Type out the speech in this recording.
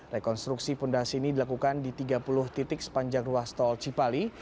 rekonstruksi fondasi ini dilakukan di tiga puluh titik sepanjang ruas tol cipali